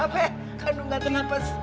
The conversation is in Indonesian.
apa kandung gak kena tipes